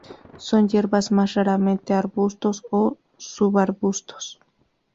Son hierbas, más raramente arbustos o subarbustos.